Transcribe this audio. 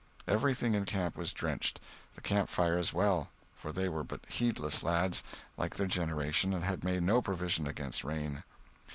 Everything in camp was drenched, the campfire as well; for they were but heedless lads, like their generation, and had made no provision against rain.